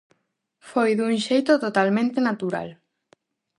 Foi dun xeito totalmente natural.